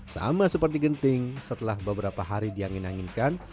sama seperti genting setelah beberapa hari diangin anginkan